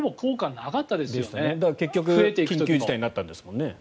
だから結局緊急事態になったんですもんね。